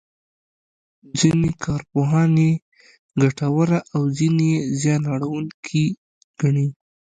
ځینې کارپوهان یې ګټوره او ځینې یې زیان اړوونکې ګڼي.